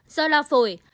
do lao phổi